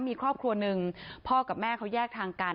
มีครอบครัวหนึ่งพ่อกับแม่เขาแยกทางกัน